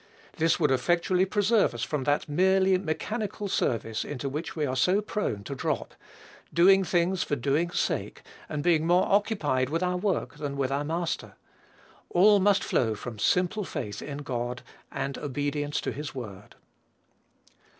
This would effectually preserve us from that merely mechanical service into which we are so prone to drop, doing things for doing's sake, and being more occupied with our work than with our Master. All must flow from simple faith in God, and obedience to his word.